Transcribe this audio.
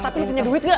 tapi lu punya duit gak